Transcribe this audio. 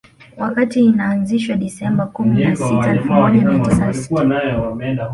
Wakati inaanzishwa Disemba kumi na sita elfu moja mia tisa sitini